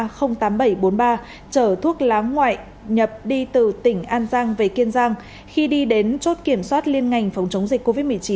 chở thuốc lá ngoại nhập đi từ tỉnh an giang về kiên giang khi đi đến chốt kiểm soát liên ngành phòng chống dịch covid một mươi chín